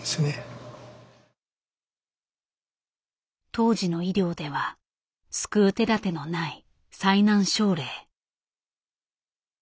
当時の医療では救う手だてのない最難症例。